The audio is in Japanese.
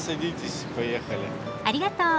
ありがとう。